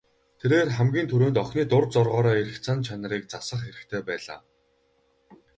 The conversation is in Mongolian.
Тэрээр хамгийн түрүүнд охины дур зоргоороо эрх зан чанарыг засах хэрэгтэй байлаа.